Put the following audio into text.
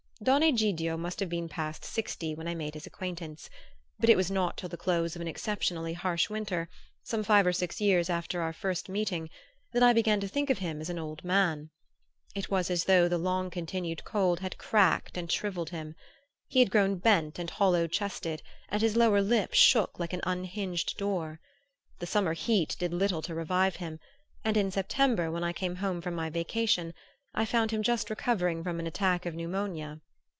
Don Egidio must have been past sixty when I made his acquaintance; but it was not till the close of an exceptionally harsh winter, some five or six years after our first meeting, that I began to think of him as an old man. It was as though the long continued cold had cracked and shrivelled him. He had grown bent and hollow chested and his lower lip shook like an unhinged door. The summer heat did little to revive him, and in September, when I came home from my vacation, I found him just recovering from an attack of pneumonia.